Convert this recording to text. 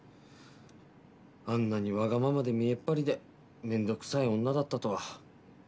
あんなにわがままで見栄っ張りで面倒くさい女だったとは。